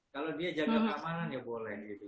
kalau dia jaga keamanan ya boleh gitu